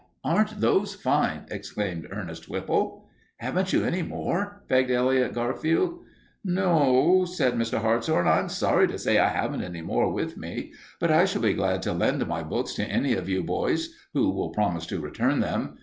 Aren't those fine!" exclaimed Ernest Whipple. "Haven't you any more?" begged Elliot Garfield. "No," said Mr. Hartshorn, "I'm sorry to say I haven't any more with me, but I shall be glad to lend my books to any of you boys who will promise to return them.